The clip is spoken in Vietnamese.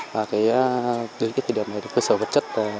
và cái thời điểm này quy sở vật chất